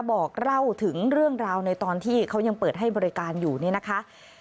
บอกเล่าถึงเรื่องราวในตอนที่เขายังเปิดให้บริการอยู่นี่นะคะ